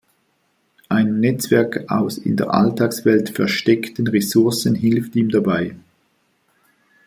Ein Netzwerk aus in der Alltagswelt „versteckten“ Ressourcen hilft ihm dabei.